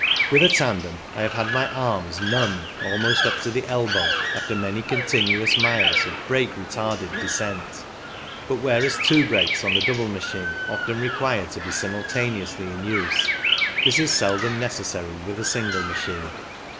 With a tandem I have had my arms numbed almost up to the elbow after many continuous miles of brake retarded descent ; but whereas two brakes on the double machine often require to be simultaneously in use, this is seldom necessary with a single machine.